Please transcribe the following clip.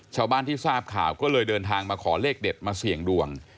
ชาวบ้านที่ทราบข่าวก็เลยเดินทางมาขอเลขเด็ดมาเสี่ยงดวง